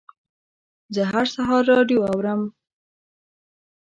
زه هر سهار راډیو اورم.